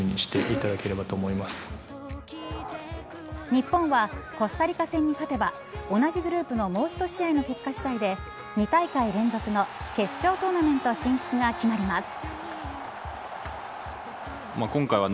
日本はコスタリカ戦に勝てば同じグループのもうひと試合の結果次第で２大会連続の決勝トーナメント進出が決まります。